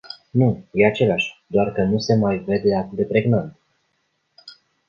Nu, e aceeași, doar că nu se mai vede atât de pregnant.